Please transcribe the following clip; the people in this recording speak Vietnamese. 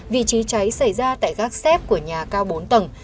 vị trí cháy xảy ra tại gác xếp của nhà cao bốn tầng